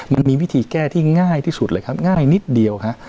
มันมีวิธีแก้ที่ง่ายที่สุดเลยครับง่ายนิดเดียวฮะ